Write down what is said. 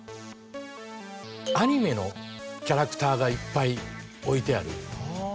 アニメのキャラクターがいっぱい置いてある。